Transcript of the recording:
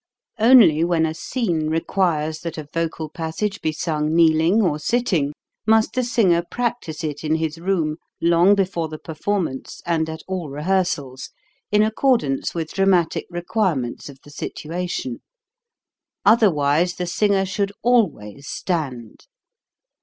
Only when a scene requires that a vocal POSITION WHILE PRACTISING 267 passage be sung kneeling or sitting must the singer practise it in his room long be fore the performance and at all rehearsals, in accordance with dramatic requirements of the situation. Otherwise the singer should always STAND.